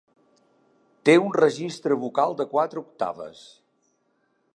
Té un registre vocal de quatre octaves.